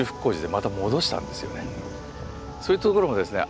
そういうところもですね